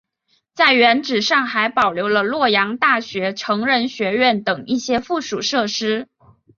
在原址上还保留了洛阳大学成人学院等一些附属设施。